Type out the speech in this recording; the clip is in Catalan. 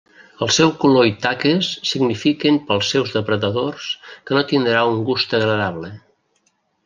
El seu color i taques signifiquen pels seus depredadors que no tindrà un gust agradable.